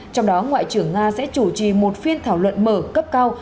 trong đó ngoại trưởng nga sẽ chủ trì một phiên thảo luận mở cấp cao